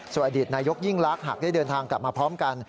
ส่วนอดีตนายกยิ่งลักษณ์หากได้เดินทางกลับมาพร้อมกัน